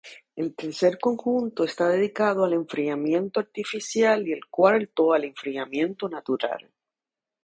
El tercer conjunto está dedicado al enfriamiento artificial y el cuarto al enfriamiento natural.